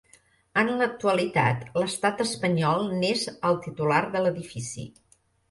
En l'actualitat, l'Estat espanyol n'és el titular de l'edifici.